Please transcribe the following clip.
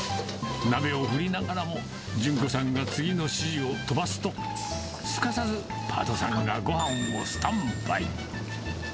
鍋を振りながらも、順子さんが次の指示を飛ばすと、すかさずパートさんがごはんをスタンバイ。